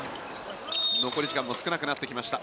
残り時間も少なくなってきました。